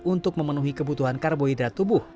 untuk memenuhi kebutuhan karbohidrat tubuh